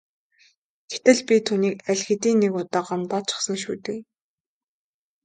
Гэтэл би түүнийг аль хэдийн нэг удаа гомдоочихсон шүү дээ.